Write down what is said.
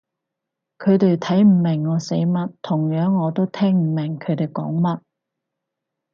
佢哋睇唔明我寫乜，同樣我都聽唔明佢哋講乜